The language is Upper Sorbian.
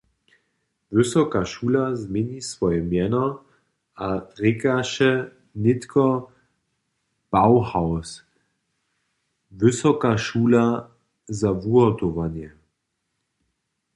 Wysoka šula změni swoje mjeno a rěkaše nětko "Bauhaus – Wysoka šula za wuhotowanje".